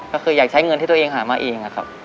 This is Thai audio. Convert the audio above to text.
ก็คืออยากใช้เงินที่ตัวเองหามาเองนะครับ